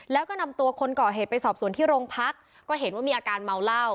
แล้วก็นำตัวคนก่อเหตุไปสอบส่วนที่โรงพักก็เห็นว่ามีอาการเมาเหล้า